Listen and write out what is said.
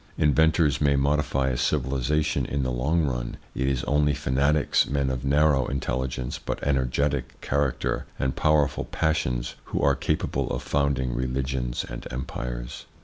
Inventors may modify a civilisation in the long run ; it is only fanatics, men of narrow intelligence, but energetic character and powerful passions, who are capable of founding religions and empires.